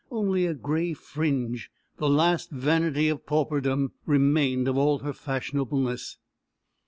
Only a grey fringe the last vanity of pauperdom remained of all her fashionableness.